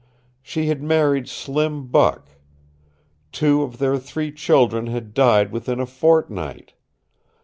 She had married Slim Buck. Two of their three children had died within a fortnight.